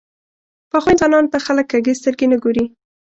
پخو انسانانو ته خلک کږې سترګې نه ګوري